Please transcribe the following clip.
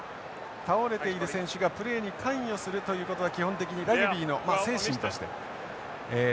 倒れている選手がプレーに関与するということは基本的にラグビーの精神として認められていません。